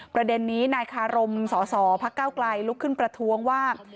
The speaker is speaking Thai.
ประเด็นนี้นายคารมสสพักเก้าไกลลุกขึ้นประท้วงว่า